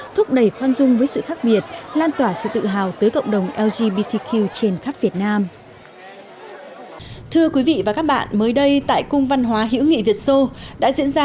thúc đẩy khoan dung với sự khác biệt lan tỏa sự tự hào tới cộng đồng lgbt q trên khắp việt nam